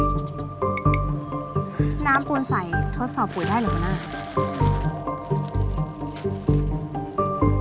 น้ำปูนใสทดสอบปุ๋ยได้หรือครับคุณน่า